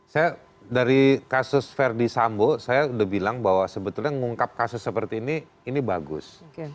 saya dari kasus verdi sambo saya udah bilang bahwa sebetulnya ngungkap kasus seperti ini ini bagus